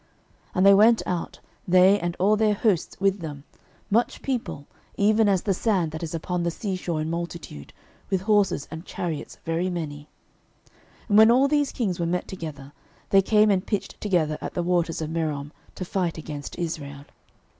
06:011:004 And they went out, they and all their hosts with them, much people, even as the sand that is upon the sea shore in multitude, with horses and chariots very many. 06:011:005 And when all these kings were met together, they came and pitched together at the waters of Merom, to fight against Israel.